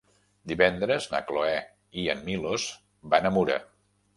Divendres na Cloè i en Milos van a Mura.